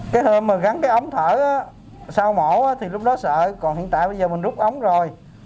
cái hôm mà gắn cái ống thở sau mổ thì lúc đó sợ còn hiện tại bây giờ mình rút ống rồi